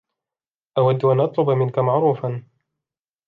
أود أن أطلب منك معروفا.